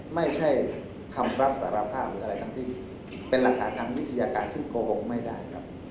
ไม่ใช่คำรับสารภาพหรืออะไรทั้งที่เป็นหลักฐานทางวิทยาการซึ่งโกหกไม่ได้ครับ